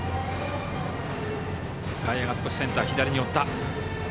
外野が少しセンター左に寄った。